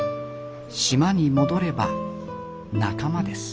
島に戻れば仲間です